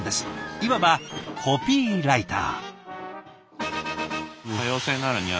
いわばコピーライター。